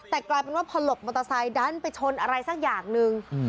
แต่กลายเป็นว่าพอหลบมอเตอร์ไซค์ดันไปชนอะไรสักอย่างหนึ่ง